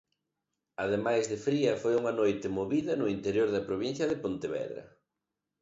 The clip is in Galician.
Ademais de fría foi unha noite movida no interior da provincia de Pontevedra.